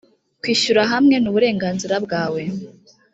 kwishyura hamwe n uburenganzira bwawe.